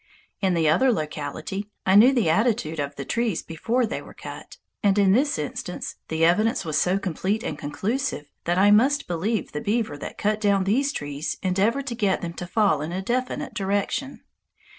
In the other locality, I knew the attitude of the trees before they were cut, and in this instance the evidence was so complete and conclusive that I must believe the beaver that cut down these trees endeavored to get them to fall in a definite direction.